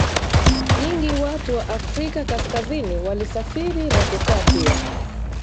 nyingi Watu wa Afrika Kaskazini walisafiri na kukaa pia